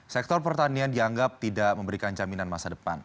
sektor pertanian dianggap tidak memberikan jaminan masa depan